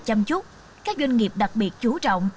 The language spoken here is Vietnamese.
chăm chút các doanh nghiệp đặc biệt chú trọng